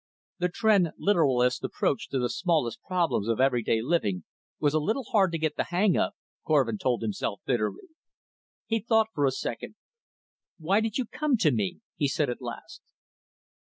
The Tr'en literalist approach to the smallest problems of everyday living was a little hard to get the hang of, Korvin told himself bitterly. He thought for a second. "Why did you come to me?" he said at last.